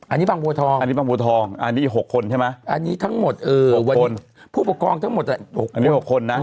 อันนี้บางบัวทองอันนี้บางบัวทองอันนี้อีก๖คนใช่ไหมอันนี้ทั้งหมด๖คนผู้ปกครองทั้งหมด๖อันนี้๖คนนะ